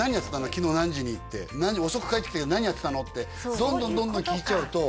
昨日何時にって遅く帰ってきたけど何やってたの？ってどんどんどんどん聞いちゃうと